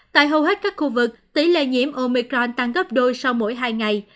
tại hầu hết các khu vực tỷ lệ nhiễm omicron tăng gấp đôi sau mỗi hai ngày